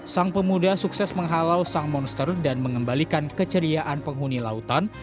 sang pemuda sukses menghalau sang monster dan mengembalikan keceriaan penghuni lautan